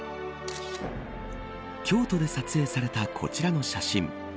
京都で撮影されたこちらの写真。